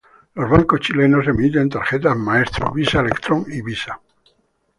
Los bancos chilenos emiten tarjetas Maestro, Visa Electrón y Visa.